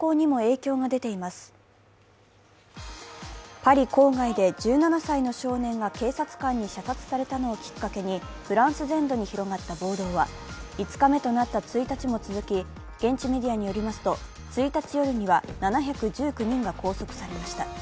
パリ郊外で１７歳の少年が警察官に射殺されたのをきっかけにフランス全土に広がった暴動は５日目となった１日も続き現地メディアによりますと１日夜には、７１９人が拘束されました。